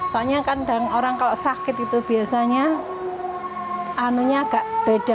soalnya kan orang kalau sakit itu biasanya anunya agak beda